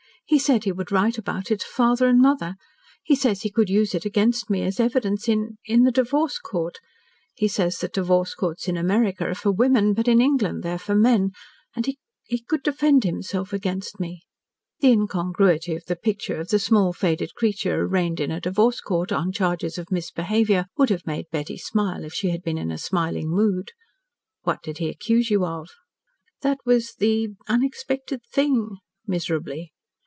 "He said he would write about it to father and mother. He says he could use it against me as evidence in in the divorce court. He says that divorce courts in America are for women, but in England they are for men, and he could defend himself against me." The incongruity of the picture of the small, faded creature arraigned in a divorce court on charges of misbehaviour would have made Betty smile if she had been in smiling mood. "What did he accuse you of?" "That was the the unexpected thing," miserably.